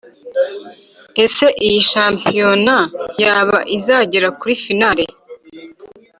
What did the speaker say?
Ese iyi champiyona yabo izagera kuri finale?